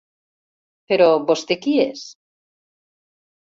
Però vostè qui és?